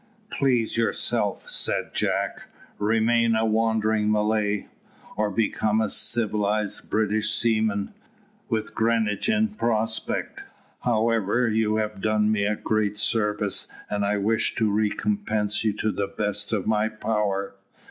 "Please yourself," said Jack. "Remain a wandering Malay, or become a civilised British seaman, with Greenwich in prospect. However, you have done me a great service, and I wish to recompense you to the best of my power."